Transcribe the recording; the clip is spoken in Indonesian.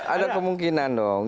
ada kemungkinan dong